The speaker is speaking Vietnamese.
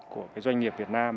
của cái doanh nghiệp việt nam